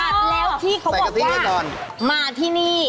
อ๋อใส่กะทิด้วยก่อนแล้วที่เขาบอกว่ามาที่นี่